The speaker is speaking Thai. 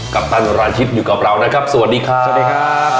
กัปตันรหาชิตอยู่กับเรานะครับสวัสดีค่ะสวัสดีค่ะ